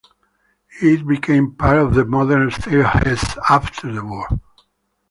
It became part of the modern state of Hesse after the war.